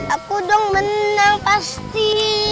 aku dong menang pasti